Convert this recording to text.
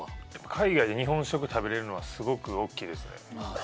海外で日本食を食べられるのはすごく大きいですね。